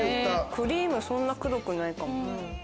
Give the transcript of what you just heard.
クリームそんなくどくないかも。